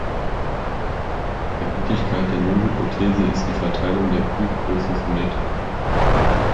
Bei Gültigkeit der Nullhypothese ist die Verteilung der Prüfgröße symmetrisch.